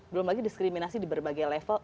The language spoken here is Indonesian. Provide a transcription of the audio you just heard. belum lagi diskriminasi di berbagai level